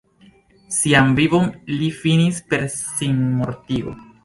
Sian vivon li finis per sinmortigo.